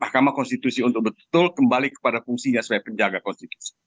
mahkamah konstitusi untuk betul kembali kepada fungsinya sebagai penjaga konstitusi